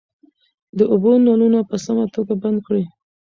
د اوبو نلونه په سمه توګه بند کړئ.